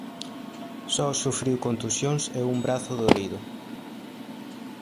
Só sufriu contusións e un brazo dorido.